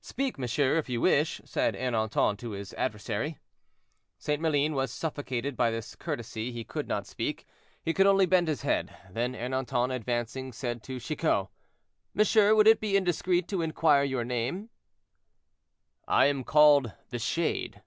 "Speak, monsieur, if you wish," said Ernanton to his adversary. St. Maline was suffocated by this courtesy, he could not speak, he could only bend his head; then Ernanton, advancing said, to Chicot— "Monsieur, would it be indiscreet to inquire your name?" "I am called 'the Shade.'"